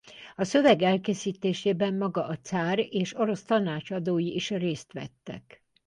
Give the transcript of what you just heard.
A szöveg elkészítésében maga a cár és orosz tanácsadói is részt vettek.